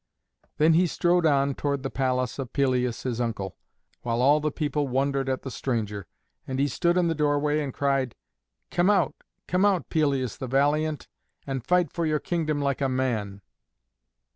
Then he strode on toward the palace of Pelias his uncle, while all the people wondered at the stranger. And he stood in the doorway and cried, "Come out, come out, Pelias the Valiant, and fight for your kingdom like a man."